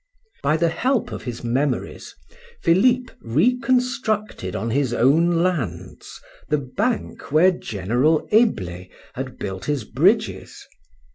By the help of his memories, Philip reconstructed on his own lands the bank where General Eble had built his bridges.